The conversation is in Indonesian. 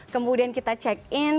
kemudian kita check in